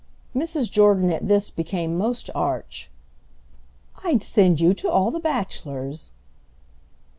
Mrs. Jordan at this became most arch. "I'd send you to all the bachelors!"